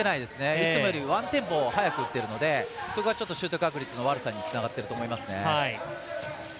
いつもよりワンテンポ速く打ってるのでそこがシュート確率の悪さにつながってると思います。